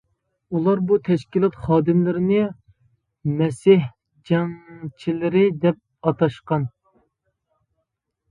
ئۇلار بۇ تەشكىلات خادىملىرىنى مەسىھ جەڭچىلىرى دەپ ئاتاشقان.